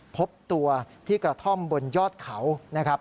พบตัวที่กระท่อมบนยอดเขานะครับ